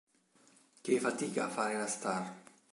Che fatica fare la star!